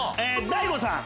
大悟さん！